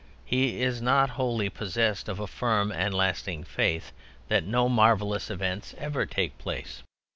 He is not wholly possessed of a firm, and lasting faith that no marvelous events ever take place.